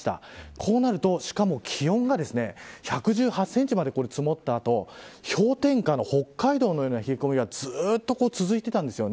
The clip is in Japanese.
こうなると、しかも気温が１１８センチまで積もったあと氷点下の北海道のような冷え込みがずっと続いていたんです。